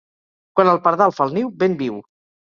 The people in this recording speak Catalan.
Quan el pardal fa el niu, vent viu.